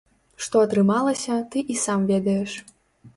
Што атрымалася, ты і сам ведаеш.